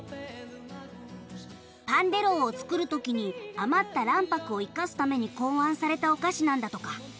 パンデローを作るときに余った卵白を生かすために考案されたお菓子なんだとか。